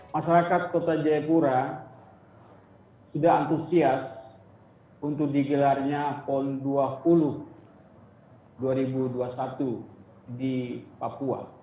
masyarakat kota jayapura sudah antusias untuk digelarnya pon dua puluh dua ribu dua puluh satu di papua